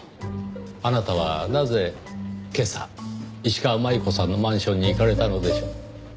あなたはなぜ今朝石川真悠子さんのマンションに行かれたのでしょう？